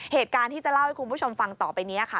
เหตุการณ์ที่จะเล่าให้คุณผู้ชมฟังต่อไปนี้ค่ะ